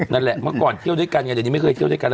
นั่นแหละเมื่อก่อนเที่ยวด้วยกันไงเดี๋ยวนี้ไม่เคยเที่ยวด้วยกันแล้ว